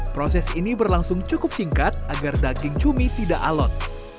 proses ini berlangsung cukup singkat agar daging cumi tidak alot